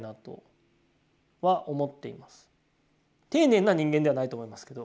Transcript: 丁寧な人間ではないと思うんですけど